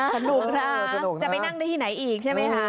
สนุกครับจะไปนั่งได้ที่ไหนอีกใช่ไหมคะ